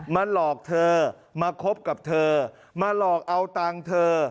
หลอกเธอมาคบกับเธอมาหลอกเอาตังค์เธอ